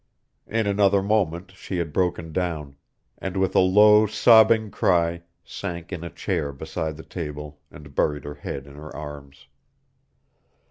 In another moment she had broken down, and with a low, sobbing cry sank in a chair beside the table and buried her head in her arms.